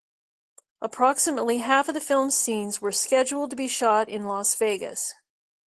Approximately half of the film's scenes were scheduled to be shot in Las Vegas.